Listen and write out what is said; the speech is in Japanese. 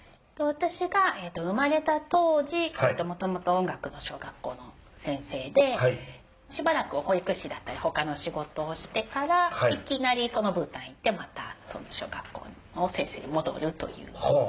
私が生まれた当時元々音楽の小学校の先生でしばらく保育士だったり他の仕事をしてからいきなりブータン行ってまた小学校の先生に戻るという。はあ。